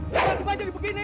bukan cuma jadi begini